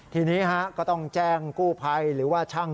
ทีนี้ก็ต้องแจ้งกู้ไพรหรือชั่ง